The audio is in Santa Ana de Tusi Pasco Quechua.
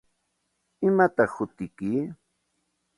¿Imataq hutiyki?